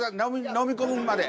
飲み込むまで。